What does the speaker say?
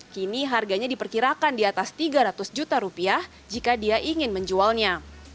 kini harganya diperkirakan di atas tiga ratus juta rupiah jika dia ingin menjualnya